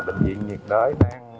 bệnh viện nhiệt đới